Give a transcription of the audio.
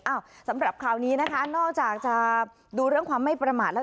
สำหรับข่าวนี้นะคะนอกจากจะดูเรื่องความไม่ประมาทแล้ว